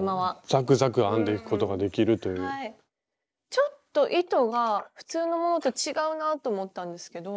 ちょっと糸が普通のものと違うなと思ったんですけど。